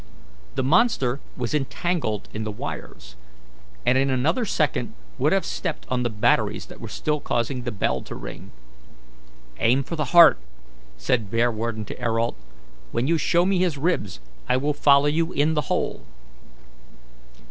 The monster was entangled in the wires, and in another second would have stepped on the batteries that were still causing the bell to ring. "Aim for the heart," said Bearwarden to Ayrault. "When you show me his ribs, I will follow you in the hole."